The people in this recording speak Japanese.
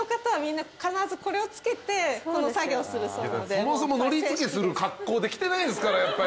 そもそも海苔つけする格好で来てないですからやっぱり。